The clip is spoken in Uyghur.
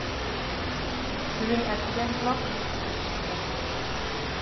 بۈگۈن ئەتىگەندىلا ئۇنىڭ قولى ئىشقا بارمىدى.